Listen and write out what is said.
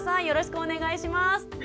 よろしくお願いします。